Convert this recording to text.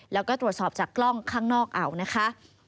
แล้วก็ตรวจสอบจากกล้องข้างนอกเอานะคะ